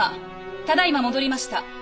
ただいま戻りました。